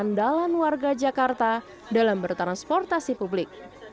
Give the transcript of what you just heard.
dan juga mencari keandalan warga jakarta dalam bertransportasi publik